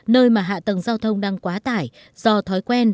nơi mà hạ tầng giao thông đang quá tải do thói quen